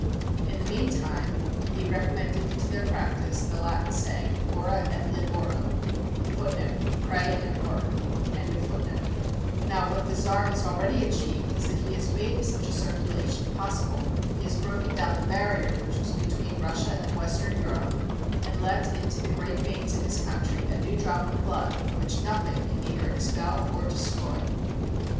In the mean time he recommended to their practice the Latin say ing, Ora et labora.^ Now what the czar has already achieved is that he has made such a circulation possible. He has broken down the barrier which was between Russia and western Europe, and let into the great veins of his country a new drop of blood which nothing can either expel or destroy.